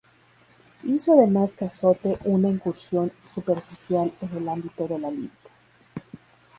Hizo además Cazotte una incursión superficial en el ámbito de la lírica.